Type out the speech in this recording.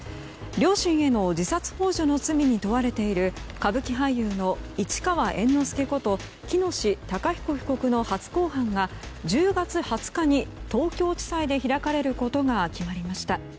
両親への自殺幇助の罪に問われている歌舞伎俳優の市川猿之助こと喜熨斗孝彦被告の初公判が１０月２０日に東京地裁で開かれることが決まりました。